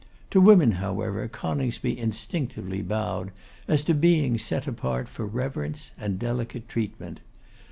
To women, however, Coningsby instinctively bowed, as to beings set apart for reverence and delicate treatment.